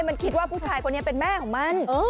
มันคิดว่าผู้ชายคนนี้เป็นแม่ของมัน